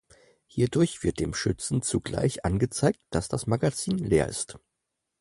Hierdurch wird dem Schützen zugleich angezeigt, dass das Magazin leer ist.